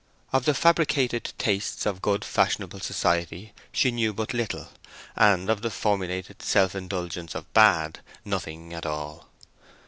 Of the fabricated tastes of good fashionable society she knew but little, and of the formulated self indulgence of bad, nothing at all.